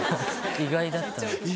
「意外だった」。